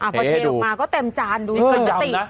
พอเทออกมาก็เต็มจานดูปกติ